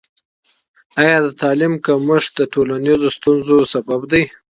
آیا د تعلیم کمښت د ټولنیزو ستونزو لامل دی؟